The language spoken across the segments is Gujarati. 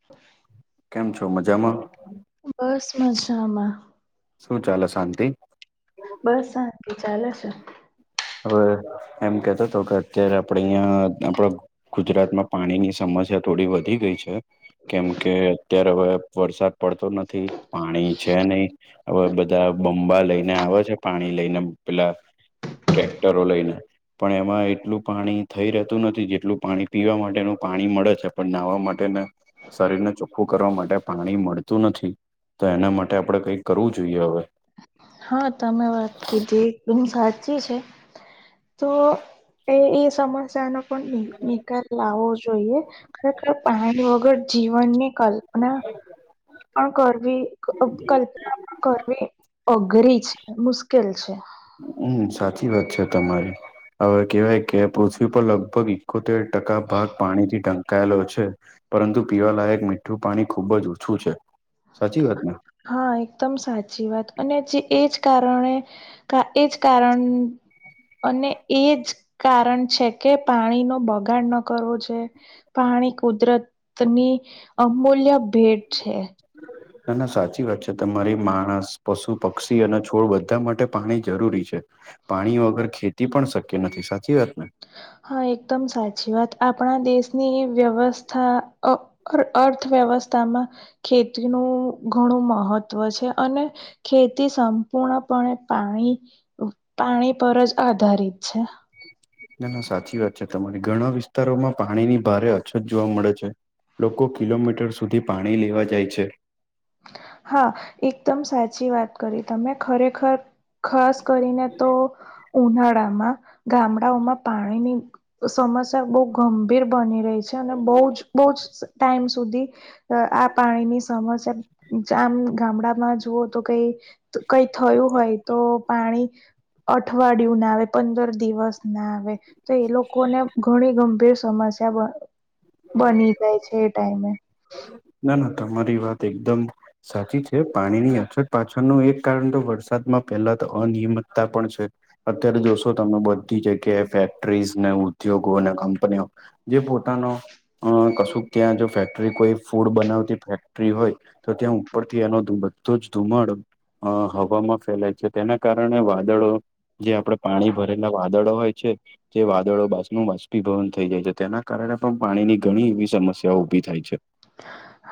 [inaudible] કેમ છો મજામાં? બસ મજા માં શું ચાલે શાંતિ? બસ શાંતિ ચાલે છે હવે એમ કેતો કે અત્યારે આપડે અહિયાં આપડ ગુજરાતમાં પાણીની સમસ્યા થોડી વધી ગઈ છે કેમ કે અત્યારે હવે વરસાદ પડતો નથી પાણી છે નહી હવે બધા બંબા લઈને આવે છે પાણી લઈને પેલા ટ્રેક્ટરો લઈને પણ એમાં એટલું પાણી થઈ રહેતું નથી જેટલું પાણી પીવા માટેનું પાણી મળે છે પણ નાહવા માટે ને શરીર ને ચોખ્ખું કરવા માટે પાણી મળતું નથી તો એના માટે આપણેે કઈક કરવું જોઈએ હવે હા તમે વાત કીધી એકદમ સાચી છે તો એ ઇ સમસ્યાનો પણ નિકાલ લાવો જોઈએ ખરેખર પાણી વગર જીવનની કલ્પના પણ કરવી કલ્પનામાં કરવી અઘરી છે મુશ્કેલ છે હમ્મ સાચી વાત છે તમારી હવે કેવાય કે પૃથ્વી પર લગભગ એકોતેર ટકા ભાગ પાણી થી ઢંકાયેલો છે. પરંતુ પીવાલાયક મીઠું પાણી ખુબ જ ઓછું છે સાચી વાત ને હા એકદમ સાચી વાત અને જે એ જ કારણે એ જ કારણ અને એ જ કારણ છે કે બગાડ ન કરવો જોઈએ. પાણી કુદરત ની અમૂલ્ય ભેટ છે. ના ના સાચી વાત છે તમારી માણસ પશુ પક્ષી અને છોડ બધા માટે પાણી જરૂરી છે. પાણી વગર ખેતી પણ શક્ય નથી સાચી વાત ને હા એકદમ સાચી વાત આપણા દેશની વ્યવસ્થા અર્થવ્યવસ્થામાં ખેતીનું ઘણું મહત્વ છે અને ખેતી સંપૂર્ણપણે પાણી પાણી પર જ આધારિત છે. ના ના સાચી વાત છે તમારી ઘણા વિસ્તારોમાં પાણીની ભારે અછત જોવા મળે છે. લોકો કિલોમીટર સુધી પાણી લેવા જાય છે. હા એકદમ સાચી વાત કરી તમે ખરેખર ખાસ કરીને તો ઉનાળામાં ગામડાઓમાં પાણીની સમસ્યા બહુ ગંભીર બની રહી છે અને બો જ બો જ ટાઈમ સુધી આ પાણીની સમસ્યા આમ ગામડામાં જુઓ તો કઈ કઈ થયું હોય તો પાણી અઠવાડિયું ના આવે પંદર દિવસ ના આવે તો એ લોકોને ઘણી ગંભીર સમસ્યા બની જાય છે એ ટાઈમે ના ના તમારી વાત એકદમ સાચી છે પાણીની અછત પાછળનું એક કારણ તો વરસાદમાં પહેલા તો અનિયમિતતા પણ છે. અત્યારે જોશો તમે બધી જગ્યાએ ફેક્ટરીઝ ને ઉદ્યોગો ને કંપનીઓ જે પોતાનો અ કશું ક્યાં જો ફેક્ટરી કોઈ ફૂડ બનાવતી ફેક્ટરી હોય તો ત્યાં ઉપરથી એનો બધો જ ધુમાડો અ હવામાં ફેલાય છે તેના કારણે વાદળો જે આપડે પાણી ભરેલા વાદળો હોય છે જે વાદળો બાસ નું બાષ્પીભવન થઈ જાય છે તેના કારણે પણ પાણીની ઘણી એવી સમસ્યાઓ ઉભી થાય છે.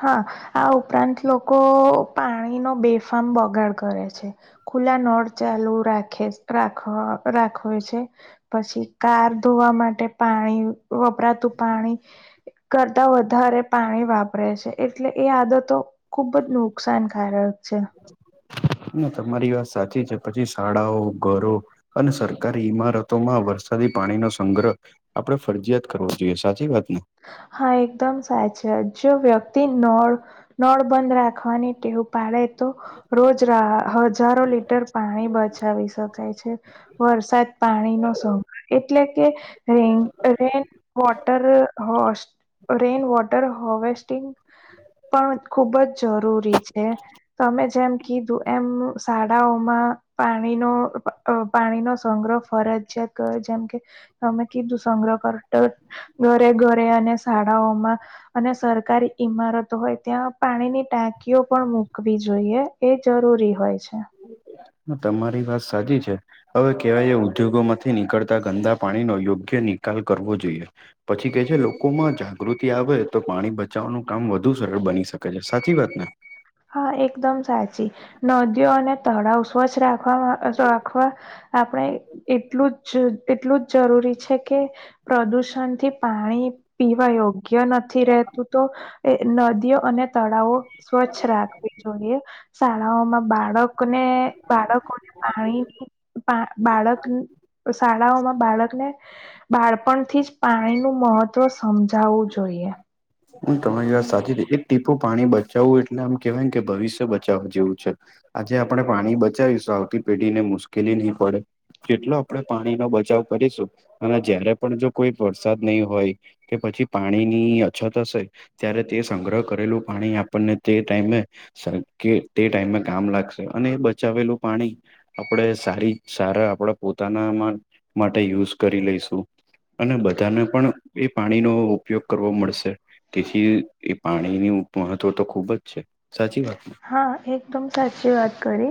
હા આ ઉપરાંત લોકો પાણીનો બેફામ બગાડ કરે છે. ખુલ્લા નળ ચાલુ રાખે રાખ રાખવે છે. પછી કાર ધોવા માટે પાણી વપરાતું પાણી કરતા વધારે પાણી વાપ રે છે એટલે એ આદતો ખુબ જ નુકસાનકારક છે ના તમારી વાત સાચી છે પછી શાળાઓ ઘરો અને સરકારી ઈમારતોમાં વરસાદી પાણીનો સંગ્રહ આપડે ફરજીયાત કરવો જોઈએ સાચી વાત ને હા એકદમ સાચ છે જો વ્યક્તિ નળ નળ બંધ રાખવાની ટેવ પાડે તો રોજ રા હજારો લીટર પાણી બચાવી શકાય છે. વરસાદ પાણી નો [unintelligible] એટલે કે rain rain water rain water harvesting પણ ખુબ જ જરૂરી છે તમે જેમ કીધું એમ શા ળા ઓમાં પાણીનો પાણી નો સંગ્રહ ફરજિયાત જેમ કે તમે કીધું સંગ્રહ [unintelligible] ઘરે ઘરે અને શાળાઓમાં અને સરકારી ઈમારતો હોય ત્યાં પાણીની ટાંકીઓ પણ મૂકવી જોઈએ. તે જરૂરી હોય છે. તમારી વાત સાચી છે. હવે કહેવાય એવું કે ઉદ્યોગોમાંથી નીકળતા ગંદા પાણીનો યોગ્ય નિકાલ કરવો જોઈએ. પછી કે છે લોકોમાં જાગૃતિ આવે તો પાણી બચાવવાનું કામ વધુ સરળ બની શકે છે સાચી વાત ને હા એકદમ સાચી નદીઓ અને તળાવ સ્વચ્છ રાખ રાખવા આપણે એટલું જ એટલું જ જરૂરી છે કે પ્રદૂષણથી પાણી પીવા યોગ્ય નથી રહેતું તો એ નદીઓ અને તળાવો સ્વચ્છ રાખવી જોઈએ શાળાઓમાં બાળક ને બાળકો ને પાણી પણ બાળક કે શાળા ઓમા બાળક ને બાળપણ થી જ પાણી નું મહત્વ સમજાવવું જોઈએ. એ તમારી વાત સાચી કીધી એક ટીપું પાણી બચાવવું એટલે આમ કેવાય કે ભવિષ્ય બચાવવા જેવું છે આજે આપણે પાણી બચાવીશું આવતી પેઢી ને મુશ્કેલી નહીં પડે. કેટલો આપડે પાણી નો બચાવ કરીશું અને જયારે પણ જો કોઈ વરસાદ નહી હોય કે પછી પાણી ની અછત હશે ત્યારે તે સંગ્રહ કરેલું પાણી આપણને તે ટાઈમે સર કે તે ટાઈમે કામ લાગશે અને બચાવેલું પાણી આપણે સારી સારા આપણા પોતાનામાં માટે યૂઝ કરી લઈશું અને બધાને પણ એ પાણીનો ઉપયોગ કરવો મળશે તેથી એ પાણીનું મહત્વ તો ખુબ જ છે સાચી વાત ને હા એકદમ સાચી વાત કરી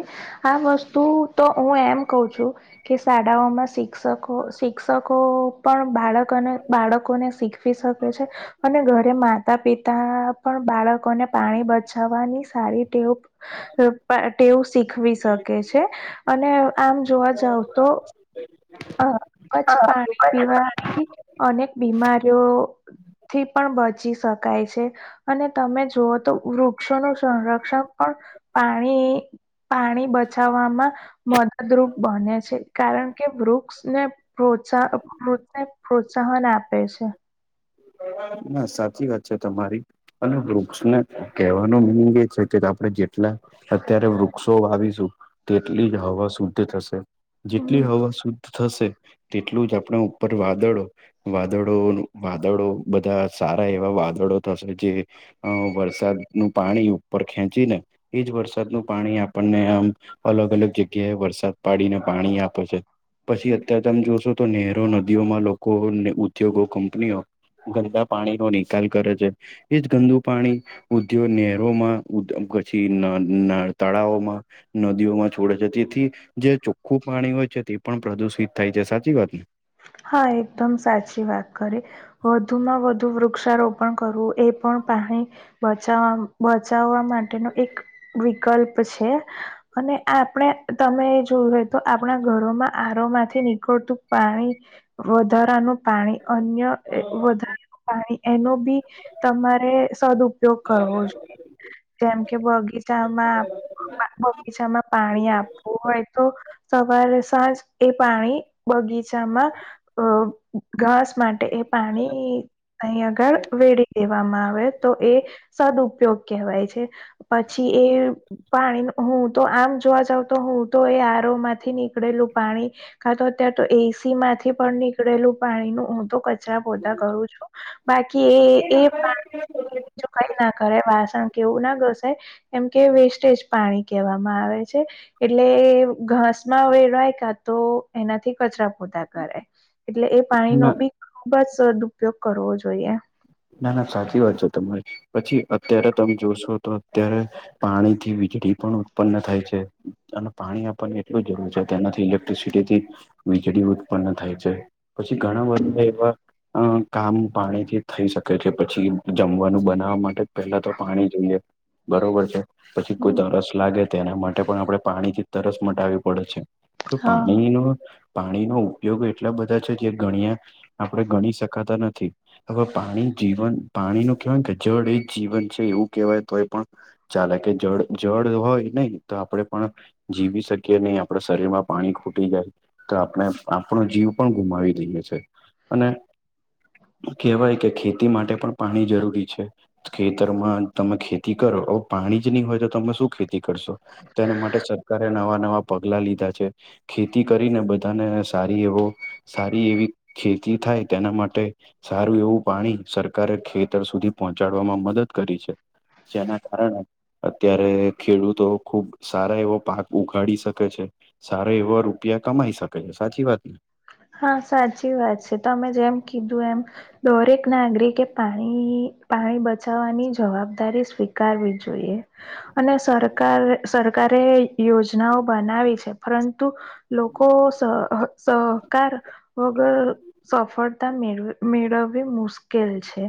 આ વસ્તુ તો હું એમ કઉ છું કે શાળાઓમાં શિક્ષકો શિક્ષકો પણ બાળક અને બાળકોને શીખ વી શકે છે અને ઘરે માતા પિતા પણ બાળકોને પાણી બચાવવાની સારી ટેવ એ પણ ટેવ શીખવી શકે છે અને આમ જોવા જાવ તો હા સ્વચ્છ પાણી પીવાથી અનેક બીમારીઓ થી પણ બચી શકાય છે. અને તમે જુઓ તો વૃક્ષોનું સંરક્ષણ પણ પાણી પાણી બચાવવામાં મદદરૂપ બને છે કારણ કે વૃક્ષ વૃક્ષ ને પ્રોત્સ પ્રોત્સાહન આપે છે ના સાચી વાત છે તમારી અને વૃક્ષને કહેવાનું મિનિંગ એ છે કે આપણે જેટલા અત્યારે વૃક્ષો વાવીશું તેટલી જ હવા શુદ્ધ થશે જેટલી હમ હવા શુદ્ધ થશે તેટલું જ આપણા ઉપર વાદળ વાદળો વાદ વાદળો બધા સારા એવા વાદળો થશે જે રીતે અ વરસાદ નું પાણી ઉપર ખેંચી ને એજ વરસાદનું પાણી આપણને આમ અલગ અલગ જગ્યાએ વરસાદ પાડીને પાણી આપે છે. પછી અત્ય્યારે તમે જોશો તો નહેરો નદીઓમાં લોકો ઉદ્યોગો કંપનીઓ ગંદા પાણી નો નિકાલ કરે છે એજ ગંદુ પાણી ઉદ્યોગ નેરોમાં પછી ન તળાવમાં નદીઓમાં છોડે છે તેથી જે ચોખ્ખું પાણી હોય છે તે પણ પ્રદુષિત થાય છે સાચી વાત ને હા એકદમ સાચી વાત કરી વધુમાં વધુ વૃક્ષારોપણ કરવું એ પણ પાણી બચાવ બચાવવા માટેનો એક વિકલ્પ છે. અને આપણે તમે જોયું હોય તો આપણા ઘરોમાં આરો માંથી નીકળતું પાણી વધારાનું પાણી અન્ય અ વધારે પાણી એનો બી તમારે સદઉપયોગ કરવો જોઈએ. તેમ કે બગીચામાં બગીચામાં પાણી આપવું હોય તો સવારે સાંજ એ પાણી બગીચામાં અ ઘાસ માટે એ પાણી એ અહીં આગળ વેડી દેવામાં આવે તો એ સદઉપયોગ કહેવાય છે. પછી એ પાણી હું તો આમ જોવા જાવ તો હું તો એ આરો માંથી નીકળેલું પાણી કા તો અત્યારે તો એસી માંથી પણ નીકળેલું પાણી નું હું તો કચરા પોતા કરું છું બાકી એ એ બીજૂ કઈ ના કરાય વાસણ કેવું ના ઘસાય એમ કે વેસ્ટેજ પાણી કહેવામાં આવે છે. એટલે ઘાસ માં વેડાય કા તો એનાથી કચરા પોતા કરે એટલે એ પાણી નો ના બી ખુબ જ સદ ઉપયોગ કરવો જોઈએ. ના ના સાચી વાત છે તમારી પછી અત્યારે તમે જોશો તો અત્યારે પાણીથી વીજળી પણ ઉત્પન્ન થાય છે અને પાણી આપણને એટલું જરૂર છે તેનાથી તો થઈ શકે કેથી વીજળી ઉત્પન્ન થાય છે પછી ઘણા બધા એવા કામ પાણીથી થઈ શકે છે પછી જમવાનું બનાવવા માટે જ પહેલા તો પાણી જોઈએ બરોબર છે? પછી કોઈ હમ તરસ લાગે તો એના માટે પણ આપણે પાણી થી તરસ મટાવવી પડે છે. તો હા પાણી નો પાણીનો ઉપયોગ એટલા બધા છે જે ગણ્યા આપણે ગણી શકાતા નથી. હવે પાણી જીવન પાણી નું કહેવાય જળ એ જ જીવન છે એવું કહેવાય તોય પણ ચાલે કે જળ જળ હોય નહિ તો આપડે પણ જીવી શકીએ નહી આપણા શરીરમાં પાણી ખૂટી જાય. તો આપણે આપણો જીવ પણ ગુમાવી દઈએ છીએ અને કહેવાય કે ખેતી માટે પણ પાણી જરૂરી છે. ખેતરમાં તમે ખેતી કરો હવે પાણી જ નહી હોય તો તમે શું ખેતી કરશો તો એના માટે સરકારે નવા નવા પગલા લીધા છે. ખેતી કરીને બધાને સારી એવો સારી એવી ખેતી થાય તેના માટે સારું એવું પાણી સરકારે ખેતર સુધી પહોંચાડવામાં મદદ કરી છે. જેના કારણે અત્યારે ખેડૂતો ખુબ સારો એવો પાક ઉગાડી શકે છે. સારા એવા રૂપિયા કમાઈ શકે છે. સાચી વાત ને? હા સાચી વાત છે. તમે જેમ કીધું એમ દરેક નાગરિકે પાણી પાણી બચાવવાની જવાબદારી સ્વીકારવી જોઈએ. અને સરકાર સરકારે યોજનાઓ બનાવી છે પરંતુ લોકો સ સા સરકાર વગર સફળતા મેળ મેળવી મુશકે કેલ છે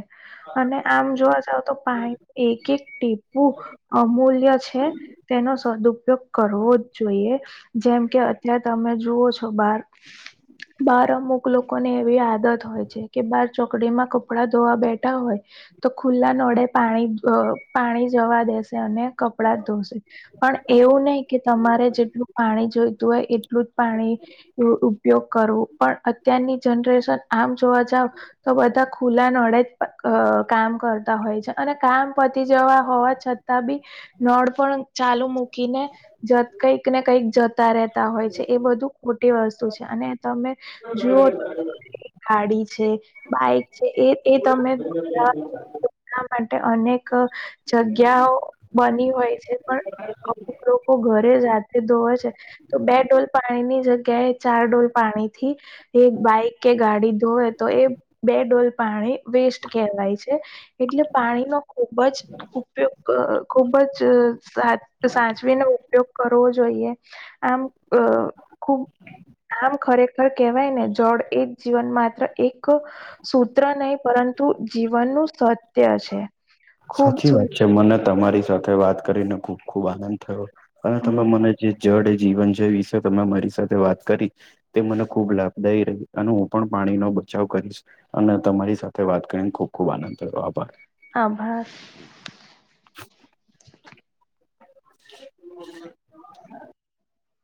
અને આમ જોવા જાવ તો પાણી એક એક ટીપુ અમૂલ્ય છે તેનો સદુપયોગ કરવો જ જોઈએ. જેમ કે અત્યારે તમે જુઓ છો બાર બાર અમુક લોકોને એવી આદત હોય છે કે બાર ચોકડીમાં કપડા ધોવા બેઠા હોય તો ખુલ્લા નળે પાણી પાણી જવા દેશે અને કપડાં ધોશે. પણ એવું નહી કે તમારે જેટલું પાણી જોઈતું હોય એટલું જ પાણી નો ઉપયોગ કરો પણ પણ અત્યારની જનરેશન આમ જોવા જાવ તો બધા ખુલ્લા નળે જ કામ કરતા હોય છે. અને કામ પતી જવા હોવા છતાં બી નળ પણ ચાલુ મૂકીને જ કઈક ને કઈક જતા રહેતા હોય છે એ બધું ખોટી વસ્તુ છે અને તમે જુઓ- ગાડી છે બાઈક છે એ એ તમે અનેક જગ્યાઓ બની હોય છે પણ અમુક લોકો ઘરે હાથથી ધોવે છે તો બે ડોલ પાણીની જગ્યાએ ચાર ડોલ પાણી થી એક બાઈક કે ગાડી ધોવે તો એ બે ડોલ પાણી વેસ્ટ કહેવાય છે એટલે પાણીનો ખુબ જ ઉપયોગ ખુબ જ સાચ સાચવીને ઉપયોગ કરવો જોઈએ આમ અ ખૂબ આમ ખરેખર કહેવાય ને જડ એક જીવન માત્ર એક સૂત્ર નહી પરંતુ જીવનનું સત્ય છે. ખૂબ સાચી વાત છે સુંદર મને મને તમારી સાથે વાત કરીને ખુબ ખુબ આનંદ થયો અને હમ, તમે મને જે જડ એ જીવન છે એ વિશે તમે મને મારી સાથે વાત કરી. તે મને ખુબ લાભદાયી રહી અને હું પણ પાણીનો બચાવ કરીશ. અને તમારી સાથે વાત કરીને ખૂબ ખૂબ આનંદ થયો આભાર આભાર હ [unintelligible]